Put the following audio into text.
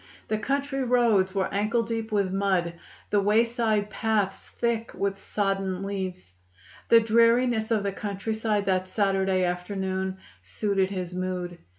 The country roads were ankle deep with mud, the wayside paths thick with sodden leaves. The dreariness of the countryside that Saturday afternoon suited his mood.